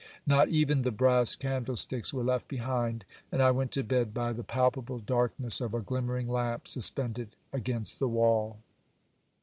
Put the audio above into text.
Not even the brass candlesticks were left behind ; and I went to bed by the palpable darkness of a glimmering lamp suspended against the wall.